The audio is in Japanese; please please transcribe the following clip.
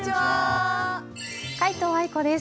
皆藤愛子です。